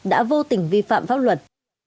đã vô tình vi phạm pháp luật